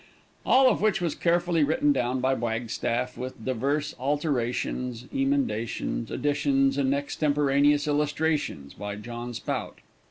All of which was carefully written down by Wagstaff, with divers alterations, emendations, additions, and extemporaneous illustrations, by John Spout.